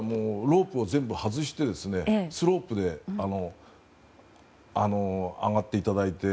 ロープを全部外してスロープで上がっていただいて。